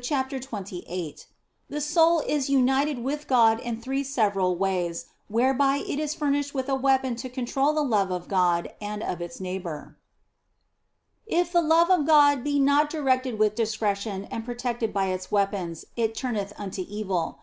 CHAPTER XXVIII THE SOUL IS UNITED WITH GOD IN THREE SEVERAL WAYS, WHEREBY IT IS FURNISHED WITH A WEAPON TO CONTROL THE LOVE OF GOD AND OF ITS NEIGHBOUR IF the love of God be not directed with discretion and protected by its weapons, it turneth unto evil.